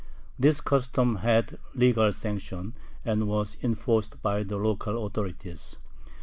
This custom had legal sanction, and was enforced by the local authorities.